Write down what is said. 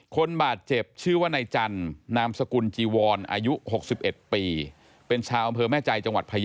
คนบาดเจ็บชื่อว่านายจันนามสกุลจีวอนอายุ๖๑ปี